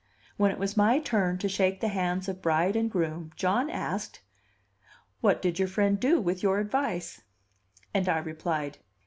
When it was my turn to shake the hands of bride and groom, John asked: "What did your friend do with your advice?" And I replied.